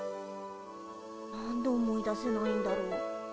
何で思い出せないんだろう。